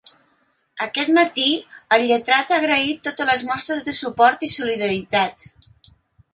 Aquest matí, el lletrat ha agraït totes les mostres de suport i solidaritat.